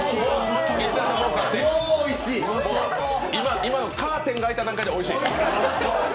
今のカーテンが開いただけでおいしい？